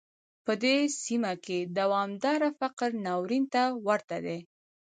په دې سیمه کې دوامداره فقر ناورین ته ورته دی.